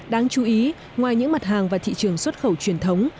đáng chú ý ngoài những mặt hàng và thị trường xuất khẩu truyền thống